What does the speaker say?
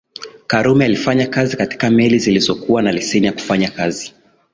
Karume alifanya kazi katika meli zilizokuwa na leseni ya kufanya kazi